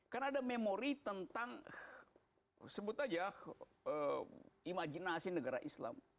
karena ada memori tentang sebut aja imajinasi negara islam